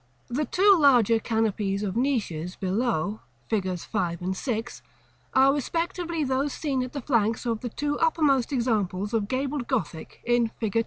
The two larger canopies of niches below, figs. 5 and 6, are respectively those seen at the flanks of the two uppermost examples of gabled Gothic in Fig.